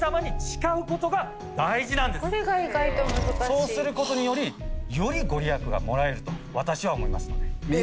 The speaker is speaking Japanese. そうすることによりより御利益がもらえると私は思いますので。